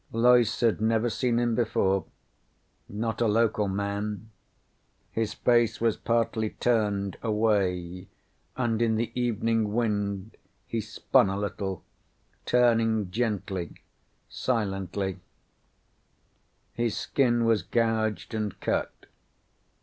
Loyce had never seen him before. Not a local man. His face was partly turned, away, and in the evening wind he spun a little, turning gently, silently. His skin was gouged and cut.